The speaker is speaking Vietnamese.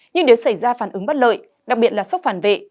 nhưng để xảy ra phản ứng bất lợi đặc biệt là sốc phản vệ